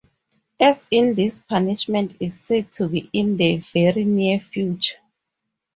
As in this punishment is said to be in the very near future.